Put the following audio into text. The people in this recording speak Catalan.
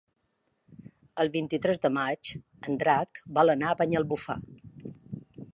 El vint-i-tres de maig en Drac vol anar a Banyalbufar.